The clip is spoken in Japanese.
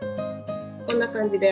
こんな感じで。